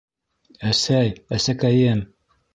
- Әсәй, әсәкәйем...